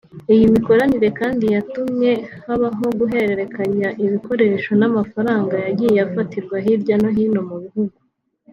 Iyi mikoranire kandi yatumye habaho guhererekanya ibikoresho n’amafaranga yagiye afatirwa hirya no hino mu bihugu